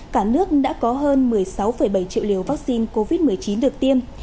cả nước đã có hơn một mươi sáu bảy triệu liều vaccine covid một mươi chín được tiêm